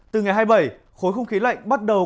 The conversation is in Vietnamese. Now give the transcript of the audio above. từ ngày hai mươi bảy khối không khí lạnh bắt đầu